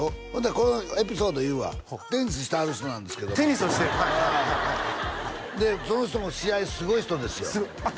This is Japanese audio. このエピソード言うわテニスしてはる人なんですけどもテニスをしてるでその人も試合すごい人ですよあっ